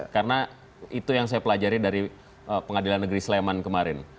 karena itu yang saya pelajari dari pengadilan negeri sleman kemarin